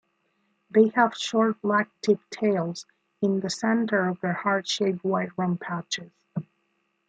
They have short, black-tipped tails in the center of their heart-shaped white rump patches.